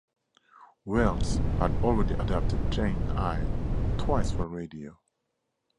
Welles had already adapted "Jane Eyre" twice for radio.